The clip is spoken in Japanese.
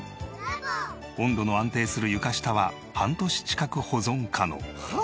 温度の安定する床下は半年近く保存可能。